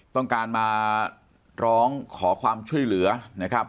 ต้องการมาร้องขอความช่วยเหลือนะครับ